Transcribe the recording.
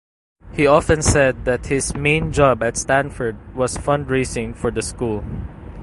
He often said that his main job at Stanford was fundraising for the school.